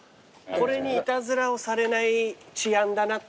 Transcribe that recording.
これにいたずらをされない治安だなっていうところがね。